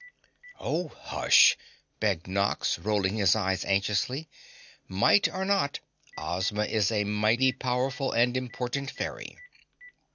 "Oh, hush!" begged Nox, rolling his eyes anxiously. "Mite or not, Ozma is a mighty powerful and important fairy."